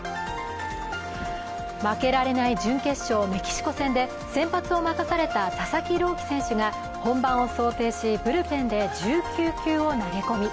負けられない準決勝・メキシコ戦で先発を任された佐々木朗希選手が本番を想定しブルペンで１９球を投げ込み。